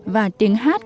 và tiếng hát